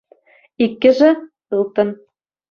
Иккӗшӗ – ылтӑн.